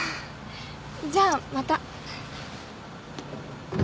じゃあまた。